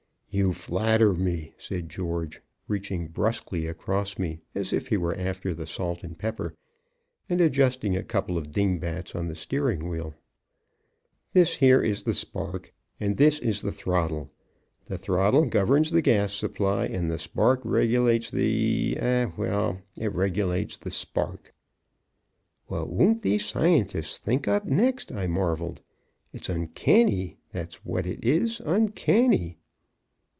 "You flatter me," said George, reaching bruskly across me as if he were after the salt and pepper, and adjusting a couple of dingbats on the steering wheel. "This here is the spark, and this is the throttle. The throttle governs the gas supply, and the spark regulates the eh, well, it regulates the spark." "What won't these scientists think up next?" I marveled. "It's uncanny, that's what it is uncanny."